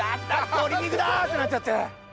鶏肉だ！」ってなっちゃって。